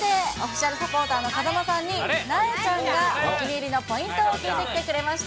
そこでオフィシャルサポーターの風間さんに、なえちゃんがお気に入りのポイントを聞いてくれました。